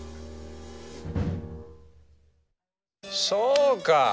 そうか！